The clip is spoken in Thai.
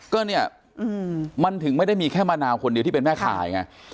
ก็เนี่ยมันถึงไม่ได้มีแค่มะนาวคนเดียวที่เป็นแม่ขายไง